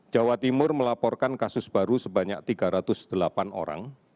jawa timur melaporkan kasus baru sebanyak tiga ratus delapan orang